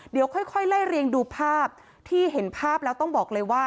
เดี๋ยวค่อยไล่เรียงดูภาพที่เห็นภาพแล้วต้องบอกเลยว่า